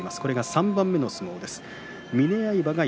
３番目の相撲です。